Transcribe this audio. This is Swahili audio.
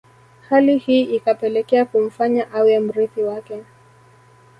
Hali hii ikapelekea kumfanya awe mrithi wake